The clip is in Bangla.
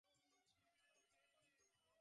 তাহা হইলেই তিনি ঈশ্বরভাবে মগ্ন।